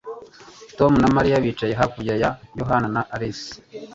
Tom na Mariya bicaye hakurya ya Yohana na Alice